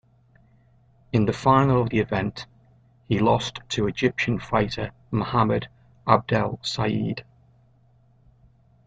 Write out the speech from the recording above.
In the final of the event he lost to Egyptian fighter Mohamed Abdelsayed.